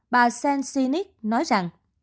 bà sennin nói rằng